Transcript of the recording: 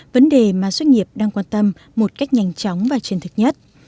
vấn đề mà doanh nghiệp đang quan tâm một cách nhanh chóng và chân thực nhất